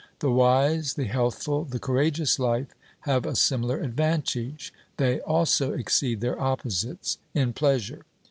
The wise, the healthful, the courageous life have a similar advantage they also exceed their opposites in pleasure.